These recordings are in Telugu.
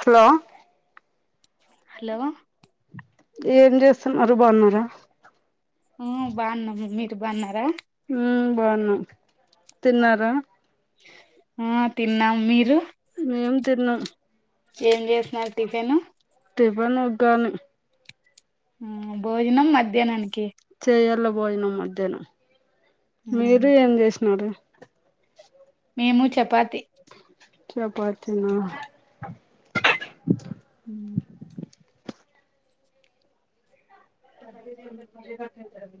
హలో హలో ఏం చేస్తున్నరు, బాగున్నారా? ఉ బాన్నం. మీరు బాన్నారా? ఊ బాన్నం. తిన్నార? ఆ తిన్నాం మీరు? మేం తిన్నం ఏం చేసినారు టిఫిన్? టిఫిన్ ఉగ్గాని ఆ భోజనం మద్యానానికి చేయల భోజనం మధ్యానం. మీరు ఏం చేసినారు? మేము చపాతి చపాతీ న ఉ ఏదైతే అది అయితాది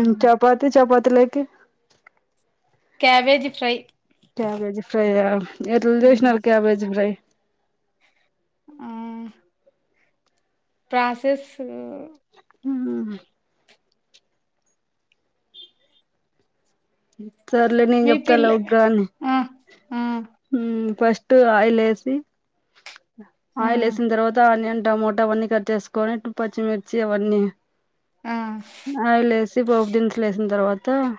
ఉ చపాతి చపాతిలేకి క్యాబేజి ఫ్రై క్యాబేజ్ ఫ్రై ఆ, ఎట్ల చేసినారు క్యాబేజ్ ఫ్రై? ఆ ప్రాసెస్ ఉ ఆ సర్లే నేన్ మీ పిల్ల చెప్తలే ఉగ్గాని ఆ ఆ హూ ఫస్ట్ ఆయిల్ ఏసీ ఆ ఆయిల్ ఏసిన్ తర్వాత, ఆనియన్ టమోట అవన్నీ కట్ చేసుకొని టు పచ్చిమిర్చి అవన్నీ ఆ ఆయిల్ ఏసీ పోపు దినుసుల్ ఏసిన్ తర్వాత ఆ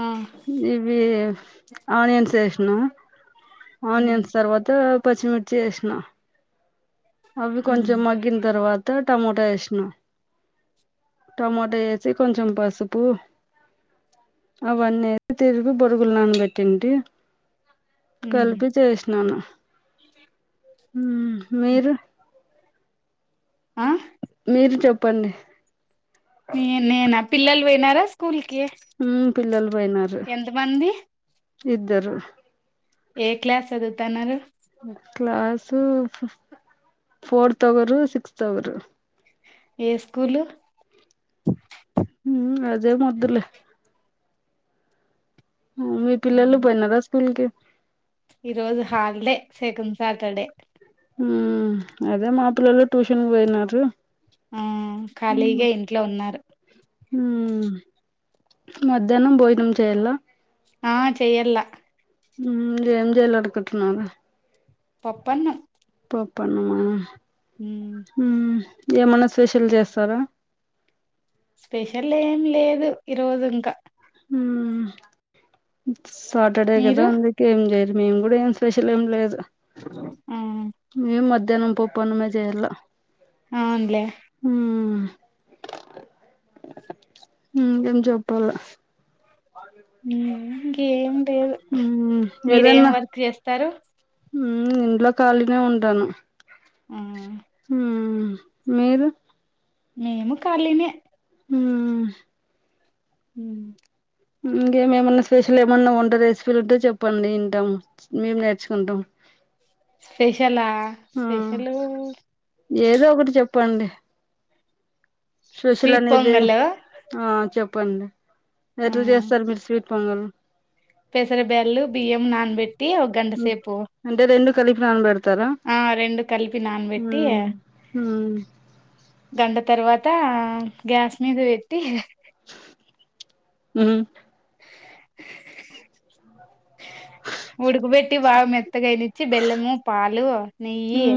ఆ ఇవి ఆనియన్స్ ఏస్నా ఆనియన్స్ తర్వాత పచ్చిమిర్చి ఏస్నా, అవి కొంచం మగ్గిన్ తర్వా త టమోట ఏస్నా టమోట ఏసీ కొంచం పసుపు అవన్నీ తిరిపి బొరుగులు నాన బెట్టింటి కల్పి చేసినాను. ఉ మీరు ఆ మీరు చెప్పండి నే నేనా పిల్లలు పోయినారా స్కూల్ కి హ పిల్లలు పోయిైనారు ఎంత మంది ఇద్దరు ఏ క్లాస్ చదువతన్నారు క్లాసు ఫోర్త్ ఒగరు సిక్స్త్ ఒగరు ఏ స్కూలు ఉమ్ అదేం అద్దులే మీ పిల్లలు పోయినారా స్కూల్ కి ఈరోజు హాలిడే సెకండ్ సాటర్డే ఉమ్ అదే మా పిల్లలు ట్యూషన్ పోయినారు ఆ ఖాళీగా ఇంట్లో ఉన్నారు ఉ మధ్యాహ్నం భోజనం చేయాల ఆ చెయ్యల్ల ఉమ్ ఏం జేయ్యాలనుకుంటున్నారు పప్పన్నం పప్పన్నమా ఉ ఉ ఏమన్నా స్పెషల్ చేస్తారా స్పెషల్ ఏం లేదు ఈరోజు ఇంకా ఉ సాటర్డే కదా మీరు అందుకే ఏం చేయదు మేము కూడా ఏం స్పెషల్ ఏం లేదు ఉ మేం మధ్యాహ్నం పప్పన్నంమేజయల్లా అవునులే ఉమ్ ఇంగేం జేప్పాలే అ ఉ ఇంకేం లేదు ఉమ్ మీరేం వర్క్ చేస్తారు ఉ ఇంట్లో ఖాళీనే ఉంటాను ఉ మ్ మీరు మేము ఖాళీనే ఉ ఉ ఇంకేమేమన్నా స్పెషల్ ఏమన్నా వంట రెసిపీలు ఉంటే చెప్పండి ఇంటాం మేం నేర్చుకుంటాం స్పెషలా ఆ స్పెషలు ఏదో ఒకటి చెప్పండి స్పెషల్ స్వీట్ అనేది పొంగల్ ఆ ఆ చెప్పండి ఎట్లా చేస్తారు మీరు స్వీట్ పొంగలు పెసర బ్యాళ్లు బియ్యం నానబెట్టి ఒక గంటసేపు అంటే రెండు కలిపి నాన్నబెడతారా ఆ రెండు కలిపి నానబెట్టి ఉమ్ గంట తర్వాత గ్యాస్ మీద పెట్టి ఉ ఉడుకుబెట్టి బాగ మెత్తగ అయినిచ్చి బెల్లము పాలు నెయ్యి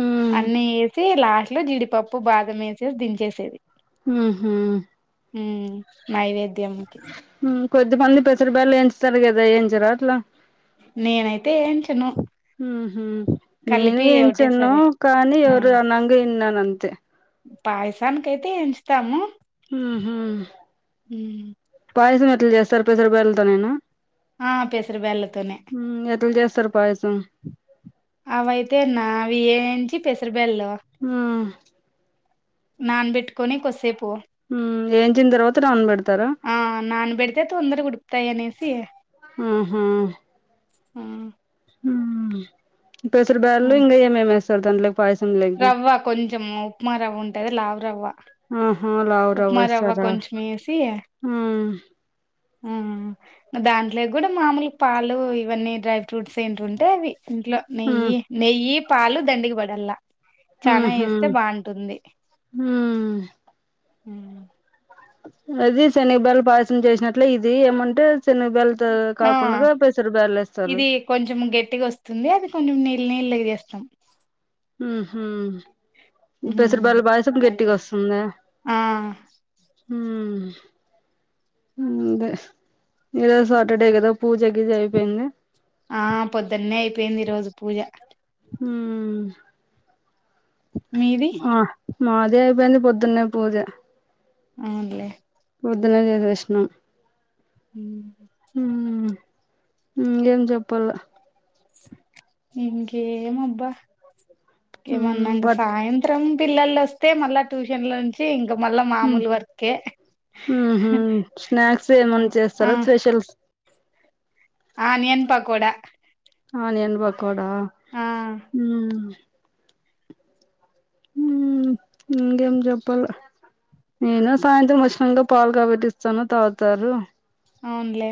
ఉమ్ ఉమ్ అన్నీ వేసి లాస్ట్ లో జీడిపప్పు బాదం వేసేసి దించేసేది హ్మ్ హు మ్మ్ నైవేద్యం కి కొద్దిమంది పెసరబ్యాళ్లు ఏంచుతారు కదా ఎంచర అట్లా నేనైతే ఏంచను హ్మ్ హు నేను కలిపి ఎంచాను ఒకటేసరే కానీ ఎవరు అనంగా విన్నాను అంతే పాయసానికి అయితే ఎంచుతాము ఉహూ మ్మ్ పాయసం ఎట్లా చేస్తారు పెసరబ్యాళ్ళతోనెన ఆ పెసరి పెసరబ్యాళ్ళతోనె మ్మ్ ఇంగ ఎట్ల చేస్తారు పాయసం అవయితేనా అవి ఎంచి పెసరబ్యాళ్ళు మ్మ్ నాన్ బెట్టుకొని కొసేపు మ్మ్ ఏంచిన తర్వాత నాన పెడతారా ఆ నాన్ బెట్ తే తొందరగా ఉడుకుతాయి అనేసి హ్మ్ హు మ్మ్ మ్మ్ పెసర ఆ బ్యాళ్ళు ఇంగ ఏమేమెస్తారు దాంట్లేకి రవ్వ కొంచం ఉప్మా రవ్వ ఉంటది లావు రవ్వ హ్మ్ హు లా ఉప్మా రవ్వ కొంచెం వేసి ఆ మ్మ్ ఇంగ దాంట్లో కి కూడా మామూలు పాలు ఇవన్నీ డ్రై ఫ్రూట్స్ ఏంటివి ఉంటే అవి ఇంట్లో మ్మ్ నెయ్యి నెయ్యి పాలు దండిగ పడల్లా చానా ఏస్తే బాంటుంది హ్మ్ ఉ అది శనగ బ్యాళ్ళ పాయసం చేసినట్లే ఇది ఏమంటే శనగ బ్యాల్ త ఆ కాకుండగ పెసర బ్యాళ్ళు ఏస్తారు ఇది కొంచెం గట్టిగా వస్తుంది అది కొంచెం నీళ్ళు నీళ్ళు గా చేస్తాం హ్మ్ హు పెసరబ్యల్ల పాయసం గట్టిగ వస్తుందా ఆ మ్మ్ ఇంగే ఈ రోజు శాటర్డే కదా పూజ గిజ అయిపోయిందా ఆ పొద్దున్నే అయిపోయింది ఈ రోజు పూజ మ్మ్ మీది ఆ మాదే అయిపోయింది పొద్దున్నే పూజ అవులే పొద్దునే చేసేసినం మ్మ్ మ్మ్ ఇంగేం చెప్పల్ల ఇంకేమబ్బ హ్మ్ ఏమన్న ఇంగ బట్ సాయంత త్రం పిల్లలు వస్తే మళ్ళా ట్యూషన్ లో నుంచి ఇంక మళ్ళా మామూలు వర్కే మ్మ్ హు స్నాక్స్ ఏమన్నా ఆ చేస్తారా స్పెషల్ ఆ నేను పకోడా ఆనియన్ పకోడా ఆ మ్మ్ మ్మ్ ఇంగేం చెప్పాల నేను సాయంత్రం వచ్చినంగా పాలు కాబట్టిస్తాను తాగుతారు అవునులే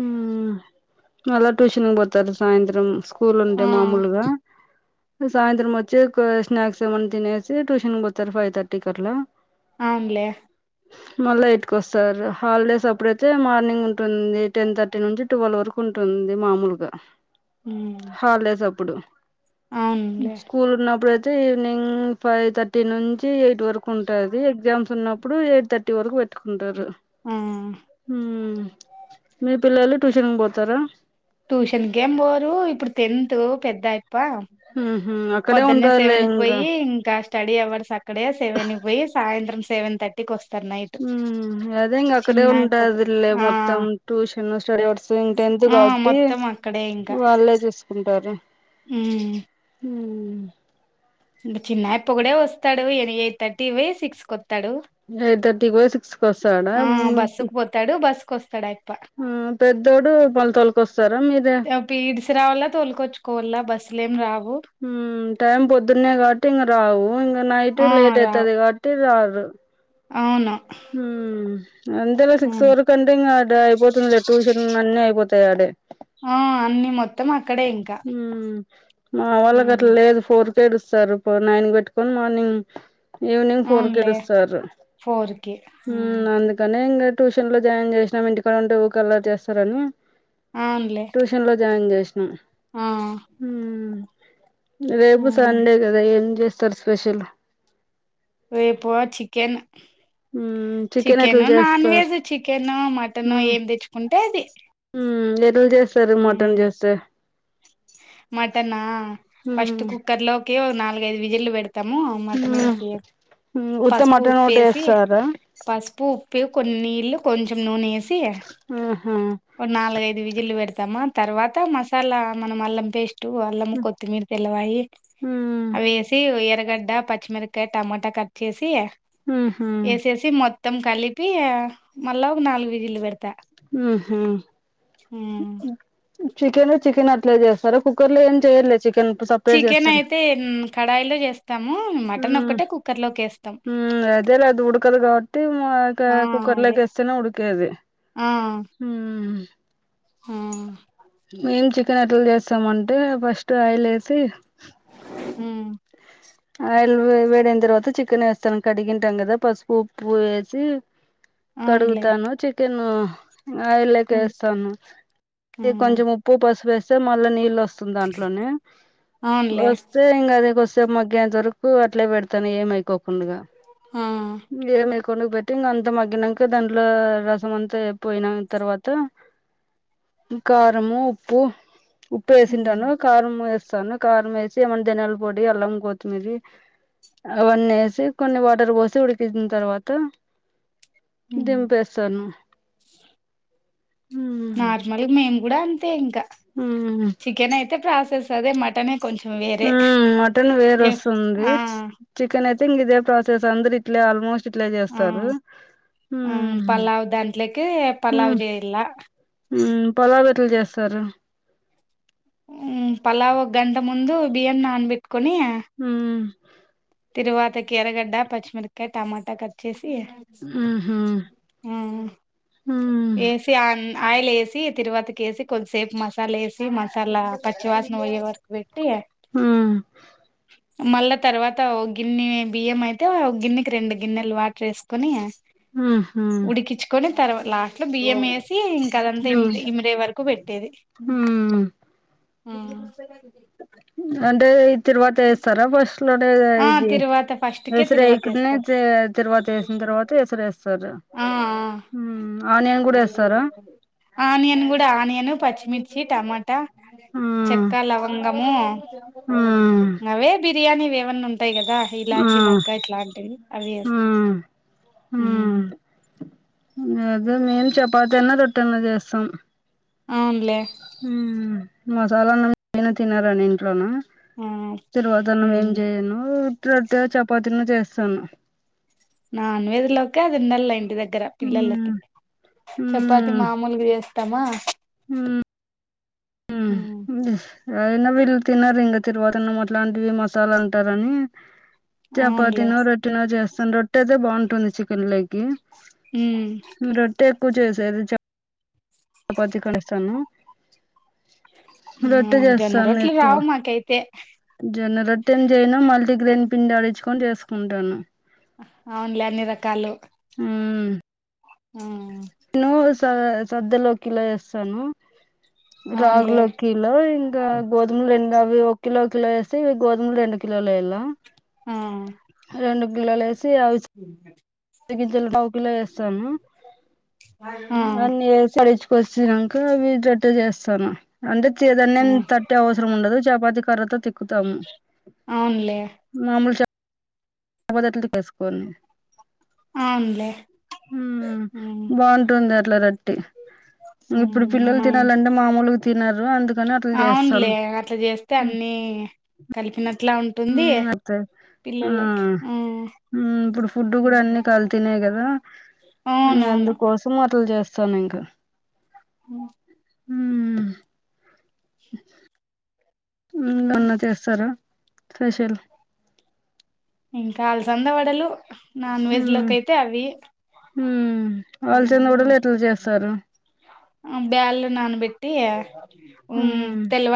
ఉ మళ్ళా ట్యూషన్కి పోతారు సాయంత్రం స్కూల్ ఉంటే ఆ మామూలుగా అ సాయంత్రం వచ్చి క్ స్నాక్స్ ఏమైన్నా తినేసి ట్యూషన్కి పోతారు ఫైవ్ థర్టీకి అట్లా అవున్లే మళ్ళా ఎయిట్ కొస్తారు హాలిడేస్ అప్పుడైతే మార్నింగ్ ఉంటుంది టెన్ థర్టీ నుంచి ట్వెల్వ్ వరకు ఉంటుంది మామూలుగా ఉ హాలీడేసప్పుడు స్కూల్ ఉన్నప్పుడుయితే ఈవినింగ్ ఫైవ్ థర్టీ నుంచి ఎయిట్ వరకు ఉంటది ఎగ్జామ్స్ ఉన్నప్పుడు ఎయిట్ థట్ ట్టి వరకు పెట్టుకుంటారు ఆ మీ పిల్లలు ట్యూషన్ కి పోతారా ట్యూషన్క ఏం పోరు ఇప్పుడు టెన్త్ పెద్ద అయప్ప అక్కడే ఉంటారు లే ఇంకా పోయి ఇంకా స్టడీ అవర్స్ అక్కడే సెవెనికి పోయి సాయంత్రం సెవెన్ థర్టీకి వస్తారు నైట్ ఉమ్ అదే ఇంక అక్కడే చిన్న అయిపోతది ఉంటాదులే ఆ మొత్తం ట్యూషన్ స్టడీ అవర్స్ టెన్త్ ఆ కాబట్టి మొత్తం అక్కడే ఇంకా అళ్ళే చూసుకుంటారు ఉ హ ఇ చిన్న ఇప్ప కూడా వస్తాడు ఎయిట్ థర్టీ కి పోయి సిక్స్ కు వత్తాడు ఎయిట్ థర్టీకి పోయి సిక్స్కి వస్తాడా ఇస్తాడు బస్కు వస్తాడుయితే ఆ పెద్దోడు పొలతోలుకొస్తారా మీరే పి ఇడ్సి రావాలా తోలుకొచ్చుకోవాలా బస్సులు ఏం రావు ఊ టైం పొద్దున్నే కాబట్టి ఇంక రావు ఇంక నైట్ ఆ లేట్ రావు అయితాది కాబట్టి రారు అవును అంతేలే సిక్స్ వరకు అంటే ఇంకా అయిపోతుందిలే ట్యూషన్ అన్ని అయిపోతాయి ఆడే ఆ అన్ని మొత్తం అక్కడే ఇంకా ఊ మా వాళ్ళకు అట్ల లేదు ఫోర్ కేేడుస్తారు పో నైన్ పెట్టుకొని మార్నింగ్ ఈవినింగ్ ఫోర్ అవునులే కేెడుస్తారు ఫోర్ కి అందుకని ఇంకా ట్యూషన్ లో జాయిన్ చేసినాం ఇంటికాడ ఉంటే ఊకల్లరి చేస్తారని అవునులే ట్యూషన్ లో జాయిన్ చేసినాం ఆ రేపు సండే కదా ఏం చేస్తారు స్పెషల్ రేపో చికెన్ ఉమ్ చికెన్ ఎట్లా చికెను నాన్ చేస్తారు వెజ్ చికెన్ మటన్ ఏమి తెచ్చుకుంటే అది ఊ ఎదులు చేస్ ఊ మటనా ఫస్ట్ ఉమ్ కుక్కర్ లో నాలుగైదు విజిల్లు పెడు తము మటన్ వేసి ఉమ్ ఉత్త పసుపు మటన్ ఉప్పు ఒకటే వేసి ఏస్తారా పసుపు ఉప్పు కొన్ని నీళ్లు కొంచెం నూనె ఏసి ఆహా ఒ నాలుగఐదు విజిల్లు పెడతామా తర్వాత మసాలా మనం అల్లం పేస్ట్ టు అల్లం కొత్తిమీర్ తెల్లవాయి ఉమ్ అవేస్ టె ఎర్రగడ్డ పచ్చిమిరకాయ టమాటా కట్ చేసి ఉహు ఏసెస్ సి మొత్తం కలిపి ఆ మళ్ళా ఒక నాలుగు విజల్లు పెడతా ఉ హా చికెన్ చికెన్ అట్లా చేస్తారా కుక్కర్ లో ఏం చేయర్లే చికెన్ సపరేట్ చేస్తారు తేన్ కడాయిలో చేస్ ఉ ఉ అదే లే అది ఉడకదు కాబట్టి ఆ కుక్కర్ అదే లోకేస్ స్తేనే ఉడికేది ఆ ఉహ్ ఆహ్ మేం చికెన్ ఎట్ల చేస్తామంటే ఫస్ట్ ఆయిల్ వేసి హు ఆయిల్ వేడైన తర్వాత చికెన్ వేస్తాను కడిగింటాం కదా పసుపు ఉప్పు వేసి అవునులే కడుగుతాను చికెన్ ఆయిల్లేకి ఉమ్, వేస్తాను ఆ, ఇగ కొంచెం ఉప్ ఉప్పు పసి వేస్తే మళ్ళా నీళ్ళు వస్తుంది దాంట్లోనే అవునులే వస్తే ఇంగా అది కొద్దిసేపు మాగ్ గేయంతా వరకు అట్లే పెడతాను ఏమైకోకుండాగా ఆ ఏమై కొను పెట్టి ఇంక అంత మగ్గినంకా దాంట్లో రసం అంతా పోయిన తర్వాత కారము ఉప్పు ఉప్పు ఉమ్. వేసింటాను కారం వేస్తాను కారం వేసి ఏమైన ధనియాల పొడి అల్లం కొత్తిమీర్ అవన్నీ వేసి కొన్ని వాటర్ పోసి ఉడికించిన తర్వాత ఉమ్ దింపేస్తాను మ్మ్ నార్మల్గ్ మేము కూడా అంతే ఇంకా ఉహ్ చికెన్ అయితే ప్రాసెస్ అదే మటనే కొంచెం వేరే మ్మ్ చికన్ అయితే ఇంగిదే ప్రాసెస్ అందర్ ఇట్లే ఆల్మోస్ట్ ఇట్లే ఆ చేస్తారు ఉ ఆ పలావ్ దాంట్లోకి పలావ్ ఉహ్ చేయాల ఉ పోలాలేట్లా చేస్తారు పలావ్ ఒక గంట ముందు బియన్ని నానబెట్టుకొని ఉ తిరువాతకి ఎర్రగడ్డ పచ్చిమిరకాయ టమాటా కట్ చేసి హుహు. ఆ హ్మ్. వేసి ఆ ఆయిల్ వేసి తిరువాతికేసి కొంచం సేపు మగ్ మసాలా వేసి మసాలా పచ్చివాసన పోయ్యే వరకు పెట్టి హ్మ్. మళ్ళా తర్వా ఓ గిన్నె బియ్యం అయితే ఓక్ గిన్నెకి రెండు గిన్నెలు వాటర్ వేసుకొని ఆహా ఉడికించుకొని తర్వా లాస్ట్ లో బియ్యం వేసి ఇంకా అదంతా ఇ ఇమిరే వరకు పెట్టేది ఉమ్ అంటే ఈ తిరువాత ఏస్తారా ఫస్ట్ ఇట్లానే ఆ ఇది తిరువాత ఫస్ట్ కే తిరువాత ఏసరేకనే వేస్తాం తిరువాత వేసిన తర్వాత సరేస్తారు ఆ ఆనియన్ కూడా ఏస్తస్తారా ఆనియన్ కూడా ఆనియన్ పచ్చిమిర్చి టమాటా హ్మ్. చెక్క లవంగము హ్మ్. ఇంగా అవే బిర్యానీ వేవన్నా ఉ ఉంటాయి కదా ఇలాచి హ్మ్. మొగ్గ ఇట్లాంటివి అవి వేస్తాము హ్మ్. హ్మ్ అదే మేన్ చపాతన్న రోటైనా చేస్తాం అవునులే హ్మ్ మసాలా అన్నం ఎప్పుడైనా తినార ఇంట్లోన ఆ తిరువాత అన్నం ఏం చేయను ఉత్త రొట్టె చపాతీనో చేస్తాను నాన్వెజ్ కి అది ఉండలేండి దగ్గర పిల్లలకి మ్మ్ చపాతి మ్మ్ మామూలుగా చేస్తామా మ్మ్ హ్మ్ ఏరైనా వీళ్ళు తిన్నారు ఇంకా తిరువాతన్నా అట్లాంటివి మసాలా అంటారని చపాత అవునులే నో రొట్టనో చేస్తాను రొట్టె అయితే బాగుంటది చికెన్లోకి ఉమ్ నువ్ రొట్టే ఎక్కువ చేసేది చ చపాతి కడేస్తాను ఆ రొట్టె జొన్న చేస్తాను రొట్లు ఎక్కువ రావు మాకైతే జొన్న రొట్టెం చేయను మల్టీగ్రెయిన్ పిండి ఆడించుకొని చేసుకుంటాను అవున్లే అన్ని రకాలు హ్మ్ నువ్వు స సద్దలో కిలా వేస్తాను అవునులే రాగులొకిలో ఇంగా గో [unintelligible] అవి ఒక కిలో కిలో వేస్తే గోదుమలు రెండు కిలోలు వేయాలా ఆ రెండు కిలోలు వేసి అవి ఉ [unintelligible] పావుకిలో వేస్తాను ఆ అన్ని వచ్చినంక అవి రొట్టె చేస్తాను అంటే చెతోనే ఆ తట్టే అవసరం ఉండదు చపాతి కర్రతో తిక్కుతాం అవునులే మాముూ చ దట్లు తీసుకొన్ అవునులే ఉమ్ ఉమ్ బాగుంటుంది అట్ల రోట్టి ఇప్పుడు ఉమ్ పిల్లలు మా ఇంట్లో తినాలంటే మామూలు తినరు అంత అవునులే అట్ల చేస్తే మ్మ్ అన్ని కలిపినట్లా ఉంటా టుంది మ్మ్ పిల్లలకి ఆ ఉమ్ ఇప్పుడు ఫుడ్ కూడా అన్ని కాల్తినే కదా అవును అందుకోసం అట్ల చేస్తాను ఇంకా ఉ ఉమ్ న్న చేస్తారా స్పెషల్ ఇంకా అలసంద వడలు నాన్ వెజ్ లోకయితే అవి ఉమ్ వాళ్ళ చందడలు ఎట్ల చేస్తారు బ్యాల్ నానబెట్టి ఉమ్ హ్మ్ తెల్వా